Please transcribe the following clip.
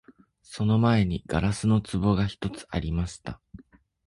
その前に硝子の壺が一つありました